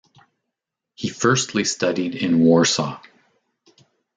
He firstly studied in Warsaw.